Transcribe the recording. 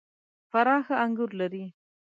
فراه ښه انګور لري .